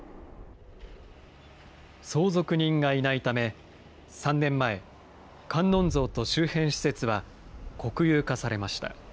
相続人がいないため、３年前、観音像と周辺施設は国有化されました。